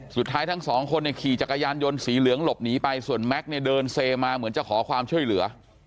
ทั้งสองคนเนี่ยขี่จักรยานยนต์สีเหลืองหลบหนีไปส่วนแม็กซ์เนี่ยเดินเซมาเหมือนจะขอความช่วยเหลือ